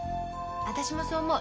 私もそう思う。